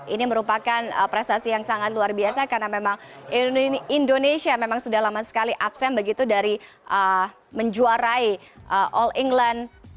ini merupakan prestasi yang sangat luar biasa karena memang indonesia memang sudah lama sekali absen begitu dari menjuarai all england